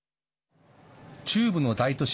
中部の大都市